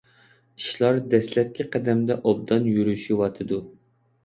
ئىشلار دەسلەپكى قەدەمدە ئوبدان يۈرۈشۈۋاتىدۇ.